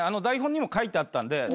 台本にも書いてあったんで。